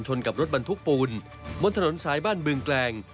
กับรถบรรทุกปูนบนถนนสายบ้านบึงแกลง